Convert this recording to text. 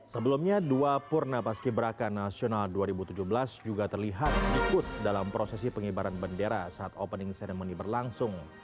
sebelumnya dua purna paski beraka nasional dua ribu tujuh belas juga terlihat ikut dalam prosesi pengibaran bendera saat opening ceremony berlangsung